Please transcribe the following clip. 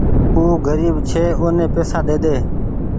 او گريب ڇي اوني پئيسا ڏيڌي۔